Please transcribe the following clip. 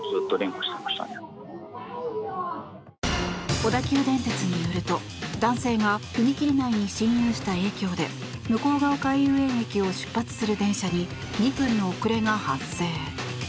小田急電鉄によると男性が踏切内に侵入した影響で向ヶ丘遊園駅を出発する電車に２分の遅れが発生。